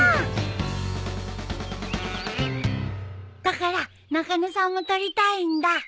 だから中野さんも撮りたいんだ。